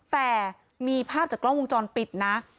แต่มีภาพจากกล้องวงจรปิดนะ